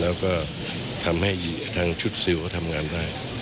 แล้วก็ทำให้ทางชุดซิลเขาทำงานได้